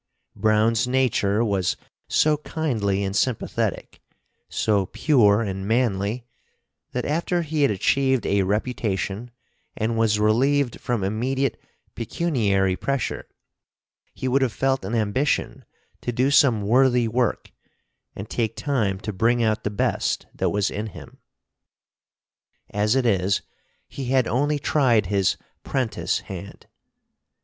Browne's nature was so kindly and sympathetic, so pure and manly, that after he had achieved a reputation and was relieved from immediate pecuniary pressure, he would have felt an ambition to do some worthy work and take time to bring out the best that was in him. As it is, he had only tried his 'prentice hand.